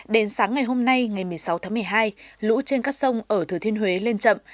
đến sáng ngày hôm nay ngày một mươi sáu tháng một mươi hai lũ trên các sông ở thừa thiên huế lên chậm